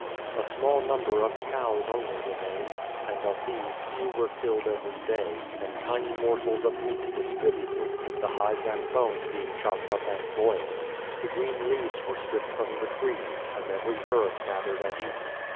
A small number of cows only remained, and of these few were killed every day, and tiny morsels of meat distributed, the hides and bones being chopped up and boiled. The green leaves were stripped from the trees, and every herb gathered and eaten.